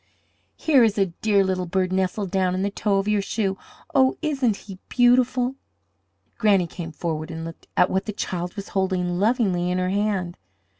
Here is a dear little bird nestled down in the toe of your shoe! Oh, isn't he beautiful?" Granny came forward and looked at what the child was holding lovingly in her hand.